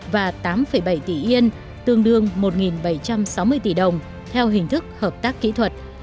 và tám bảy tỷ yên tương đương một bảy trăm sáu mươi tỷ đồng theo hình thức hợp tác kỹ thuật